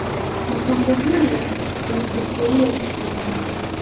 mapango haya yana historia ya kushangaza